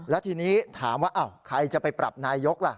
แล้วทีนี้ถามว่าใครจะไปปรับนายกล่ะ